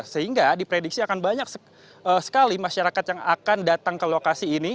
sehingga diprediksi akan banyak sekali masyarakat yang akan datang ke lokasi ini